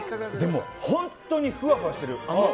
でも本当にふわふわしてる！